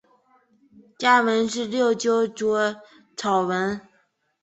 家纹是六鸠酢草纹。